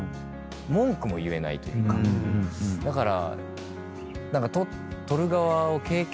だから。